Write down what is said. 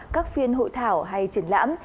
các phiên hội thảo hay triển lãm